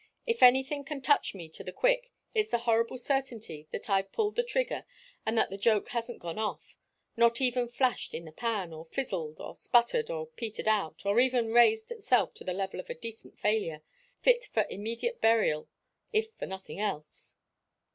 If anything can touch me to the quick, it's the horrible certainty that I've pulled the trigger and that the joke hasn't gone off, not even flashed in the pan, or fizzled, or sputtered and petered out, or even raised itself to the level of a decent failure, fit for immediate burial if for nothing else."